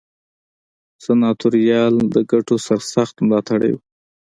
سناتوریال د ګټو سرسخت ملاتړي وو.